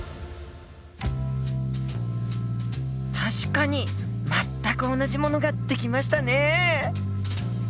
確かに全く同じものが出来ましたねえ！